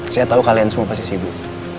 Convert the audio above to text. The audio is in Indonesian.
saya tahu kalian semua pasti sibuk